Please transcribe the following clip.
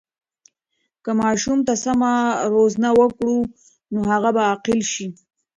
که ماشوم ته سمه روزنه وکړو، نو هغه به عاقل سي.